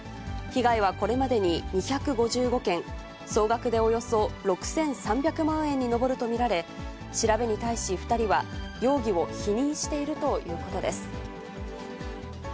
被害はこれまでに２５５件、総額でおよそ６３００万円に上ると見られ、調べに対し２人は、容疑を否認しているということです。